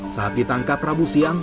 saat ditangkap rabu siang